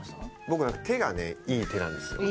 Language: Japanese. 僕手がねいい手なんですよ。